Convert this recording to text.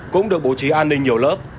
cũng được bố trí an ninh nhiều lớp